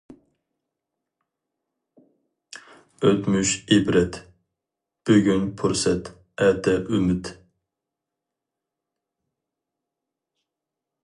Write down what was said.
ئۆتمۈش ئىبرەت، بۈگۈن پۇرسەت، ئەتە ئۈمىد.